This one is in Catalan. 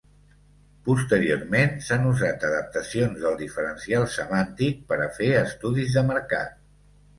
Posteriorment, s'han usat adaptacions del diferencial semàntic per a fer estudis de mercat.